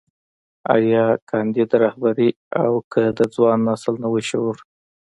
ايا کانديد رهبري او که د ځوان نسل نوی شعور.